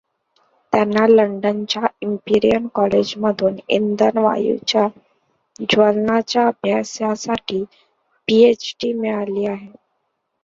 त्यांना लंडनच्या इंपीरियल कॉलेजमधून इंधन वायूंच्या ज्वलनाच्या अभ्यासासाठी पीएच. डी मिळाली आहे.